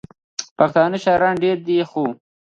پښتانه شاعران ډېر دي، خو: